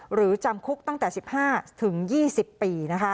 หรือจำคุกตั้งแต่๑๕๒๐ปี